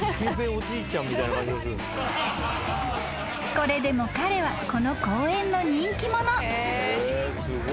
［これでも彼はこの公園の人気者］